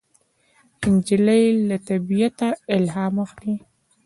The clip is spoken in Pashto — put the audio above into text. نجلۍ له طبیعته الهام اخلي.